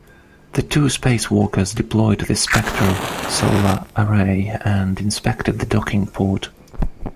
The two spacwalkers deployed the "Spektr" solar array and inspected the docking port.